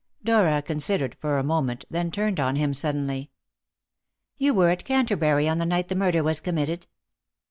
Dora considered for a moment, then turned on him suddenly. "You were at Canterbury on the night the murder was committed?"